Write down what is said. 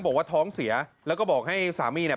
บอกว่าท้องเสียแล้วก็บอกให้สามีเนี่ย